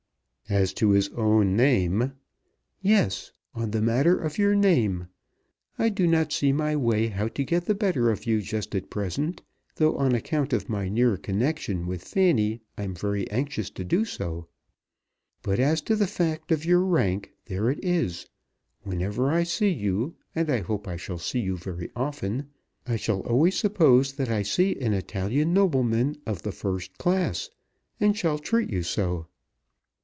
"As to his own name " "Yes; on the matter of your name. I do not see my way how to get the better of you just at present, though on account of my near connection with Fanny I am very anxious to do so. But as to the fact of your rank, there it is. Whenever I see you, and I hope I shall see you very often, I shall always suppose that I see an Italian nobleman of the first class, and shall treat you so."